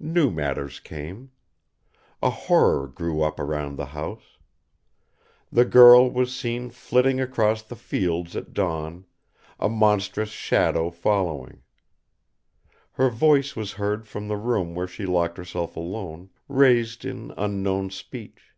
New matters came. A horror grew up around the house. The girl was seen flitting across the fields at dawn, a monstrous shadow following. Her voice was heard from the room where she locked herself alone, raised in unknown speech.